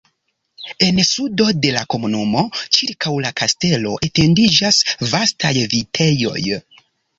En sudo de la komunumo ĉirkaŭ la kastelo etendiĝas vastaj vitejoj.